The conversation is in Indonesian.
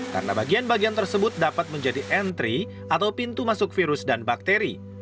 karena bagian bagian tersebut dapat menjadi entry atau pintu masuk virus dan bakteri